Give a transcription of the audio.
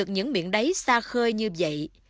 những miệng đáy xa khơi như vậy